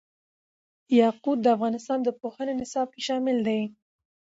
یاقوت د افغانستان د پوهنې نصاب کې شامل دي.